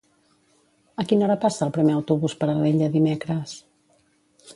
A quina hora passa el primer autobús per Alella dimecres?